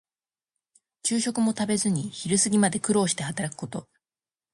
昼食も食べずに昼過ぎまで苦労して働くこと。